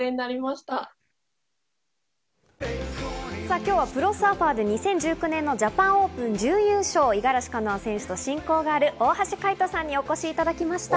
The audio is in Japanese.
今日はプロサーファーで２０１９年のジャパンオープン準優勝、五十嵐カノア選手とも親交がある大橋海人さんにお越しいただきました。